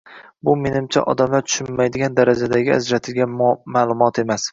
Bu menimcha, odamlar tushunmaydigan darajadagi ajratilgan maʼlumot emas.